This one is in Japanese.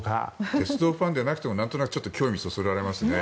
鉄道ファンでなくてもちょっと興味をそそられますね。